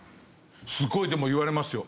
すごいでも言われますよ。